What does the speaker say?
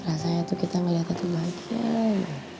rasanya tuh kita ngeliat satu bagian